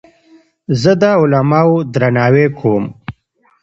زه د علماوو درناوی کوم.